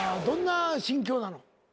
どんな心境なの？